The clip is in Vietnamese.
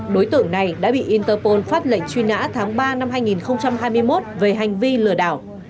đối tượng này đã bị interpol phát lệnh truy nã tháng ba năm hai nghìn hai mươi một về hành vi lừa đảo